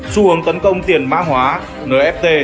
xu hướng tấn công tiền má hóa nft